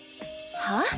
はっ？